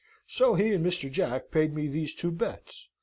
So he and Mr. Jack paid me these two betts.